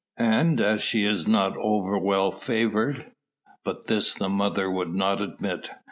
And as she is not over well favoured " But this the mother would not admit.